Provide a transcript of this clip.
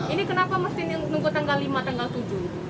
ini kenapa mesti menunggu tanggal lima atau tanggal tujuh